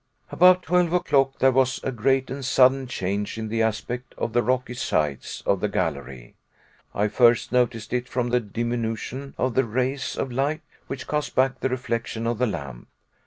About twelve o'clock there was a great and sudden change in the aspect of the rocky sides of the gallery. I first noticed it from the diminution of the rays of light which cast back the reflection of the lamp.